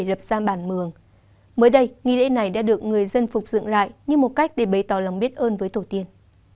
lập ra bản mường mới đây nghi lễ này đã được người dân phục dựng lại như một cách để bày tỏ lòng biết ơn với tổ tiên